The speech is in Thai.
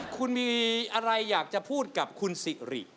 คุณมีอะไรอยากจะพูดกับคุณสิริ